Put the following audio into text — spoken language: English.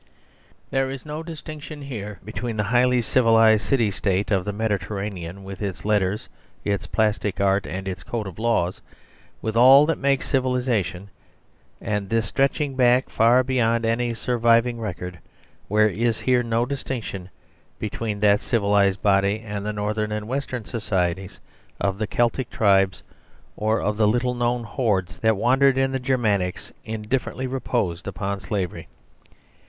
There is here no distinction between the highly civilised City State of the Mediterranean, with its letters, its plastic art, and its code of laws, with all that makes a civilisation and this stretching back far beyond any surviving record, there is here no dis tinction between that civilised body and the Northern and Western societies of the Celtic tribes, or of the little known hordes that wandered in the Germanics, ^//indifferently reposed upon slavery.